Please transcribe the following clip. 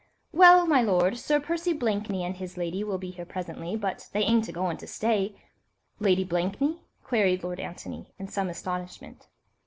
"Well, my lord, Sir Percy Blakeney and his lady will be here presently, but they ain't a goin' to stay—" "Lady Blakeney?" queried Lord Antony, in some astonishment.